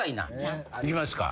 いきますか。